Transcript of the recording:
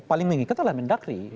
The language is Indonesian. paling mengikat adalah mendagri